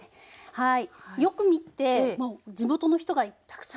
はい。